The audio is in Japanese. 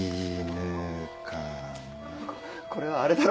ここれはあれだろ？